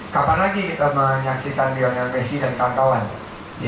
kapan lagi kita menyaksikan lionel messi dan kawan kawan di indonesia